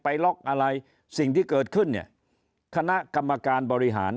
ล็อกอะไรสิ่งที่เกิดขึ้นเนี่ยคณะกรรมการบริหาร